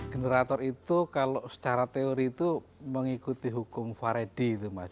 generator itu kalau secara teori itu mengikuti hukum varedi itu mas